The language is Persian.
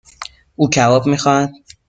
او کباب میخواهد.